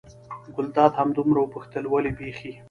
ګلداد همدومره وپوښتل: ولې بېخي.